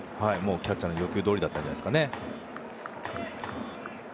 キャッチャーの要求どおりだったんじゃないですかね。